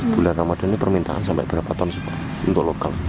bulan ramadhan ini permintaan sampai berapa ton untuk lokal